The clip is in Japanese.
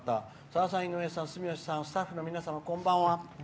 「さださん、住吉さん、井上さんスタッフの皆様、こんばんは。